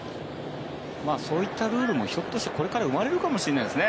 そういったルールもひょっとしてこれから生まれるかもしれないですね。